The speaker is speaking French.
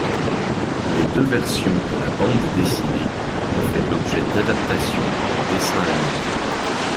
Les deux versions de la bande dessinée ont fait l'objet d'adaptations en dessin animé.